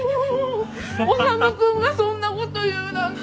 修君がそんなこと言うなんて。